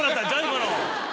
今の。